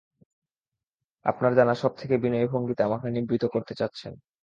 আপনার জানা সবথেকে বিনয়ী ভঙ্গিতে আমাকে নিবৃত্ত করতে চাচ্ছেন।